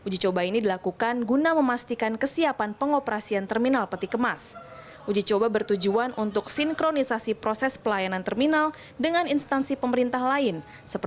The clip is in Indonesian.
jadi efisiensi logistiknya berkembang dramatis